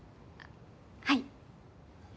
はい。